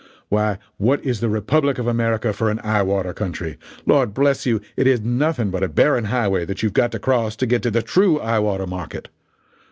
Why what is the republic of America for an eye water country? Lord bless you, it is nothing but a barren highway that you've got to cross to get to the true eye water market!